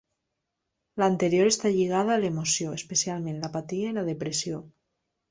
L'anterior està lligada a l'emoció, especialment l'apatia i la depressió.